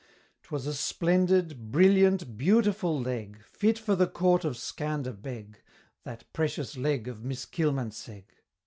'Twas a splendid, brilliant, beautiful Leg, Fit for the Court of Scander Beg, That Precious Leg of Miss Kilmansegg!